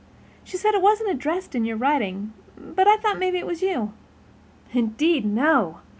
She said it wasn't addressed in your writing, but I thought maybe it was you." "Indeed, no!